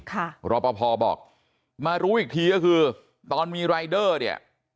รอปภบอกมารู้อีกทีก็คือตอนมีรายเดอร์เนี่ย